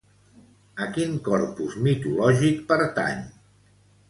A quin corpus mitològic pertany?